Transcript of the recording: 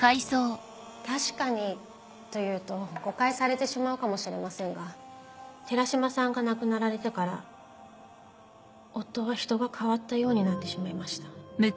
確かにと言うと誤解されてしまうかもしれませんが寺島さんが亡くなられてから夫は人が変わったようになってしまいました